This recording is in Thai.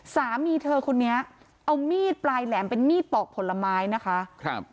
สามีเธอคนนี้เอามีดปลายแหลมเป็นมีดปอกผลไม้นะคะครับ